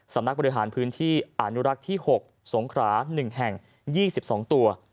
สำนักบริหารพื้นที่อนุรักษ์ที่๖สงขรา๑แห่ง๒๒ตัว